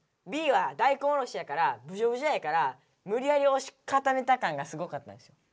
Ｂは大根おろしやからグジョグジョやからむりやりおしかためた感がすごかったんですよ。